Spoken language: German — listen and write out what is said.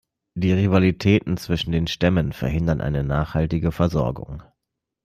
Die Rivalitäten zwischen den Stämmen verhindern eine nachhaltige Versorgung.